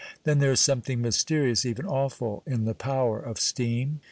Then there is something mysterious, even awful, in the power of steam.